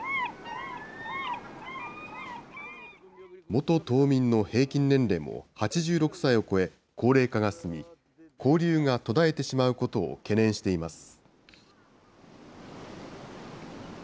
元島民の平均年齢も８６歳を超え、高齢化が進み、交流が途絶えてしまうことを懸念しています。